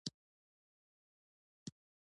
صنعت د ټولنې د پرمختګ سبب ګرځي.